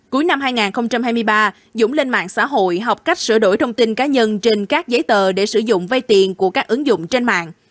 cuối năm hai nghìn hai mươi ba dũng lên mạng xã hội học cách sửa đổi thông tin cá nhân trên các giấy tờ để sử dụng vây tiền của các ứng dụng trên mạng